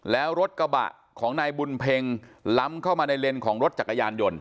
แล้วรถกระบะของนายบุญเพ็งล้ำเข้ามาในเลนของรถจักรยานยนต์